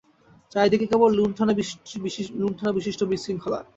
চারি দিকে কেবল লুণ্ঠনাবশিষ্ট বিশৃঙ্খলা।